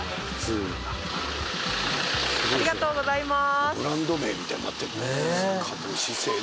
ありがとうございます！